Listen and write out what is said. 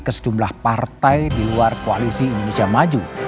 kesetumlah partai di luar koalisi indonesia maju